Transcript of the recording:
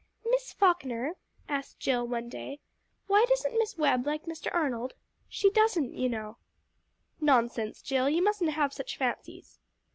"Miss Falkner," asked Jill one day, "why doesn't Miss Webb like Mr. Arnold? She doesn't, you know." "Nonsense, Jill, you mustn't have such fancies."